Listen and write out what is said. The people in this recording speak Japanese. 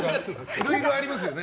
いろいろありますよね。